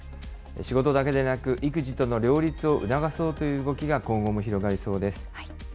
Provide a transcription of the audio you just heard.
仕事だけでなく、育児との両立を促そうという動きが今後も広がりそうです。